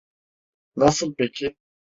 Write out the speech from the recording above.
Nasıl peki?